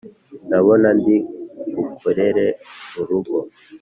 ndabona ndi bukorere mu rugo